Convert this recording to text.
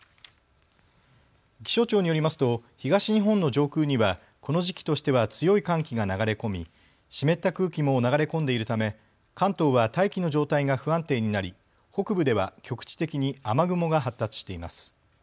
気象庁によりますと東日本の上空には、この時期としては強い寒気が流れ込み、湿った空気も流れ込んでいるため関東は大気の状態が不安定になり北部では局地的に雨雲が発達しています。